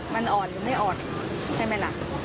มันอ่อนหรือไม่อ่อนใช่ไหมล่ะ